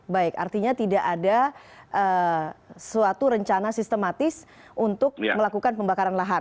baik artinya tidak ada suatu rencana sistematis untuk melakukan pembakaran lahan